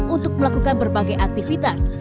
untuk melakukan berbagai aktivitas